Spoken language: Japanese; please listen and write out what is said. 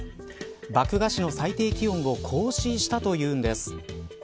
漠河市の最低気温を更新したというんです。